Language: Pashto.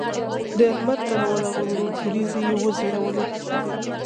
د احمد کره ورغلوو؛ وريځې يې وځړولې.